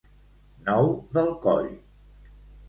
Nou del coll.